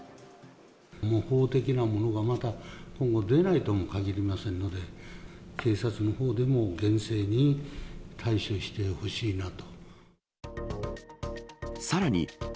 模倣的なものがまた今後でないともかぎりませんので、警察のほうでも厳正に対処してほしいなと。